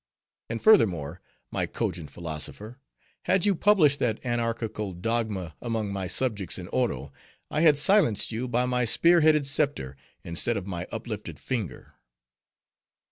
And furthermore, my cogent philosopher, had you published that anarchical dogma among my subjects in Oro, I had silenced you by my spear headed scepter, instead of my uplifted finger."